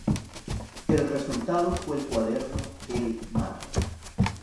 El resultado fue el cuaderno El mar.